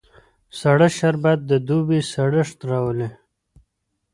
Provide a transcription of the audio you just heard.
سړه شربت د دوبی سړښت راولي